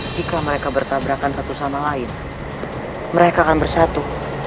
jika mereka bertabrakan satu sama lain mereka akan bersatu